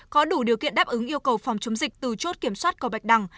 có đủ điều kiện đáp ứng yêu cầu phòng chống dịch từ chốt kiểm soát cầu bạch đằng